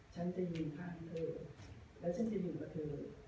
ฉันจะยืนข้างเธอแล้วฉันจะอยู่กับเธอ